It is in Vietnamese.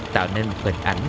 tạo nên hình ảnh